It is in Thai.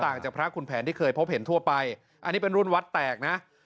จากพระคุณแผนที่เคยพบเห็นทั่วไปอันนี้เป็นรุ่นวัดแตกนะ